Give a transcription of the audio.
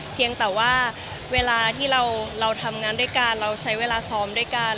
เพียงแต่ว่าเวลาที่เราทำงานด้วยกันเราใช้เวลาซ้อมด้วยกัน